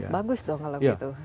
bagus dong kalau begitu